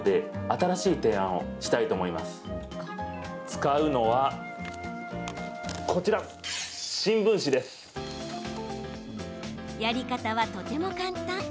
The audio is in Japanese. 使うのはこちらやり方はとても簡単。